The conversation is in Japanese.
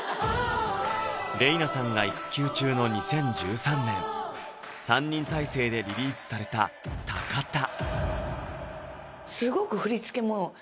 ＲＥＩＮＡさんが育休中の２０１３年３人体制でリリースされた「Ｔａｃａｔａ’」